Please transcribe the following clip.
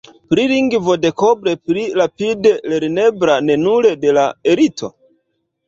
Pri lingvo dekoble pli rapide lernebla ne nur de la elito?